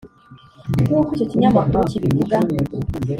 nk’uko icyo kinyamakuru kibivuga